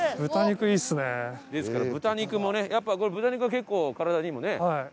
ですから豚肉もね。やっぱこれ豚肉は結構体にもね？